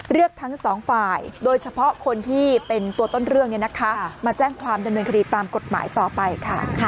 เรียกทั้งสองฝ่ายโดยเฉพาะคนที่เป็นตัวต้นเรื่องมาแจ้งความดำเนินคดีตามกฎหมายต่อไปค่ะ